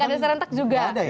pilkartes rentak juga